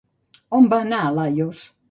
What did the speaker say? On va anar Laios?